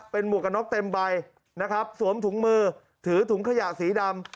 เป็นหมวกกันน็อกเต็มใบนะครับสวมถุงมือถือถุงขยะสีดำ